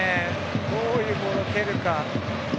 どういうボールを蹴るか。